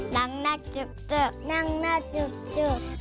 นั่งหน้าจุ๊บจุ๊บนั่งหน้าจุ๊บจุ๊บ